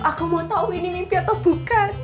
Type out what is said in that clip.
aku mau tahu ini mimpi atau bukan